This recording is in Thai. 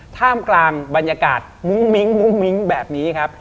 ท่ามกลางบรรยากาศมุ้งมิ้งแบบนี้ครับ